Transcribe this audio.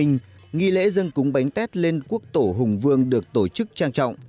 nghi lễ dân cúng bánh tết lên quốc tổ hùng vương được tổ chức trang trọng